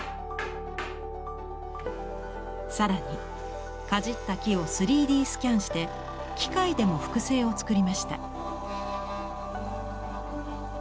更にかじった木を３Ｄスキャンして機械でも複製を作りました。